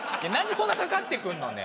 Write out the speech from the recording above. なんでそんなかかってくるの？